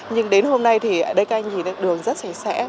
nhưng đến hôm nay thì đầy canh gì đường rất sạch sẽ